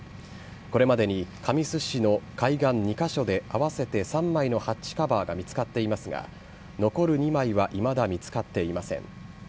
これまでに神栖市の海岸２カ所で合わせて３枚のハッチカバーが見つかっていますが残る２枚はいまだ見つかっていません。